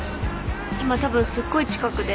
今たぶんすっごい近くで。